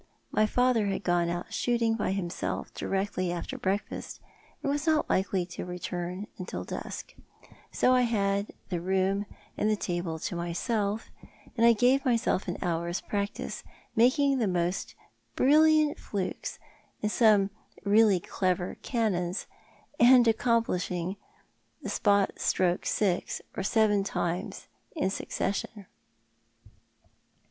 My uncle had gone out shooting by himself directly after breakfast, and was not likely to return till dusk, 60 I had the room and the table to myself, and I gave myself an hour's practice, making the most brilliant flukes and some really clever cannons, and accomplishing the spot stroke six or seven times in succession.